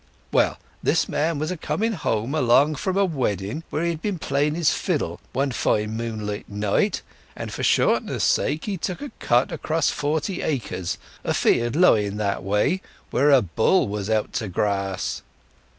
Well, this man was a coming home along from a wedding, where he had been playing his fiddle, one fine moonlight night, and for shortness' sake he took a cut across Forty acres, a field lying that way, where a bull was out to grass.